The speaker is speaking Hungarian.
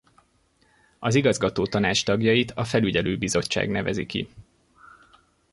Az igazgatótanács tagjait a felügyelőbizottság nevezi ki.